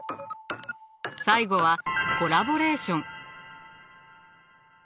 最後はコラボレーション。